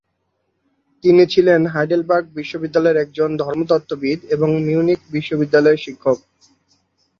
তিনি ছিলেন হাইডেলবার্গ বিশ্ববিদ্যালয়ের একজন ধর্মতত্ত্ববিদ এবং মিউনিখ বিশ্ববিদ্যালয়ে শিক্ষক।